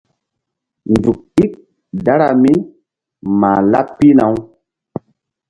Nzuk ík dara mí mah laɓ pihna-u.